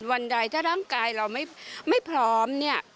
วันใดถ้าร่างกายเราไม่พร้อมเนี่ย